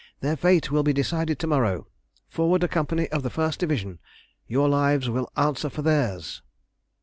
Their fate will be decided to morrow. Forward a company of the First Division; your lives will answer for theirs!"